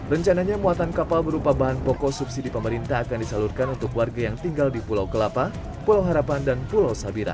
rencananya muatan kapal berupa bahan pokok subsidi pemerintah akan disalurkan untuk warga yang tinggal di pulau kelapa pulau harapan dan pulau sabira